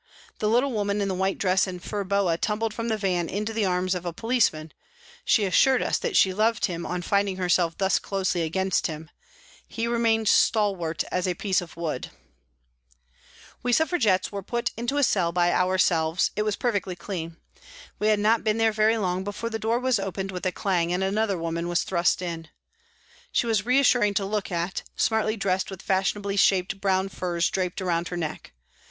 The little woman in the white dress and fur boa tumbled from the van into the arms of a policeman she assured us that she loved him on finding herself thus closely against him ; he remained stalwart as a piece of wood. JANE WARTON 255 We Suffragettes were put into a cell by our selves, it was perfectly clean. We had not been there very long before the door was opened with a clang and another woman was thrust in. She was reassuring to look at, smartly dressed with fashion ably shaped brown furs draped round her neck.